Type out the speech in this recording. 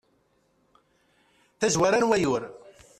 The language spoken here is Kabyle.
tazwara n wayyur